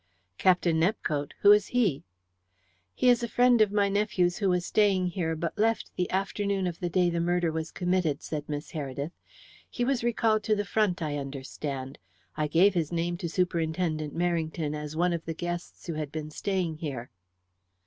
"Captain Nepcote? Who is he?" "He is a friend of my nephew's who was staying here, but left the afternoon of the day the murder was committed," said Miss Heredith. "He was recalled to the front, I understand. I gave his name to Superintendent Merrington as one of the guests who had been staying here."